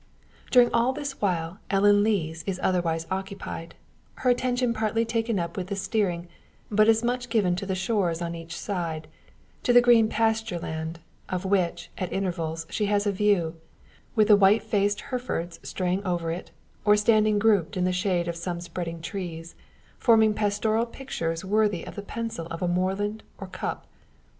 During all this while Ellen Lees is otherwise occupied; her attention partly taken up with the steering, but as much given to the shores on each side to the green pasture land, of which, at intervals, she has a view, with the white faced "Herefords" straying over it, or standing grouped in the shade of some spreading trees, forming pastoral pictures worthy the pencil of a Morland or Cuyp.